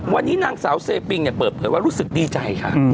วันนี้นางสาวเซปิงเปิดเผยว่ารู้สึกดีใจค่ะ